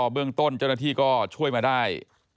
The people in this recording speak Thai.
เบื้องต้นเจ้าหน้าที่ก็ช่วยมาได้